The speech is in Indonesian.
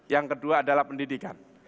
yang kedua adalah pendidikan